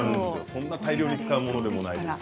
そんな大量に使うものでもないから。